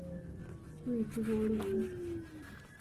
Guyitibwa oluvu.